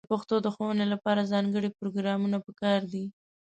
د پښتو د ښوونې لپاره ځانګړې پروګرامونه په کار دي.